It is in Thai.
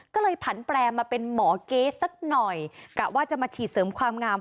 ก็เลยผันแปรมาเป็นหมอเกสสักหน่อยกะว่าจะมาฉีดเสริมความงาม